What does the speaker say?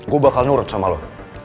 gue bakal nurut sama lo